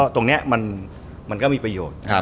ตรงนี้มันก็มีประโยชน์